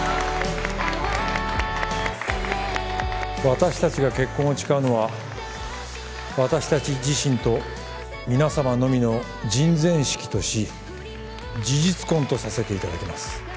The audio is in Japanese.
私達が結婚を誓うのは私達自身と皆様のみの人前式とし事実婚とさせていただきます